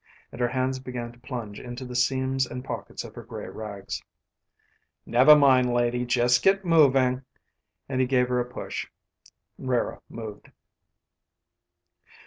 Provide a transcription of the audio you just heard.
And her hands began to plunge into the seams and pockets of her gray rags. "Never mind, lady. Just get moving," and he gave her a push. Rara moved.